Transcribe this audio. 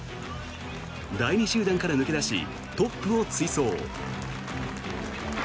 第２集団から抜け出しトップを追走。